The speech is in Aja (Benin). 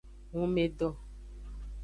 Hunmedo.